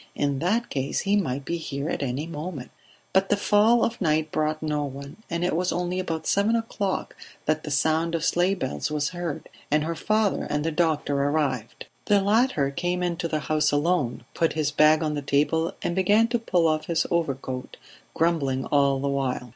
In that case he might be here at any moment." But the fall of night brought no one, and it was only about seven o'clock that the sound of sleigh bells was heard, and her father and the doctor arrived. The latter came into the house alone, put his bag on the table and began to pull off his overcoat, grumbling all the while.